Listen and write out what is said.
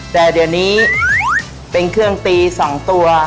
แต่เดี๋ยวนี้เป็นเครื่องตี๒ตัว